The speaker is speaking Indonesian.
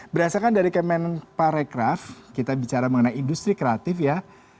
berdasarkan dari kemen parekraf kita bicara mengenai industri kreatif ya